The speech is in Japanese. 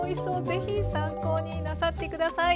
是非参考になさって下さい。